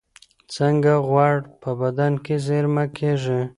څنګه غوړ په بدن کې زېرمه کېږي؟